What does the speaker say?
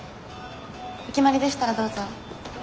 お決まりでしたらどうぞ。